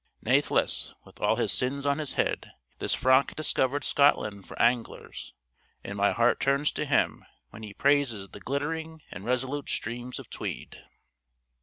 Natheless, with all his sins on his head, this Franck discovered Scotland for anglers, and my heart turns to him when he praises 'the glittering and resolute streams of Tweed.'